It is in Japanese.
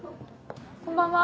こんばんは。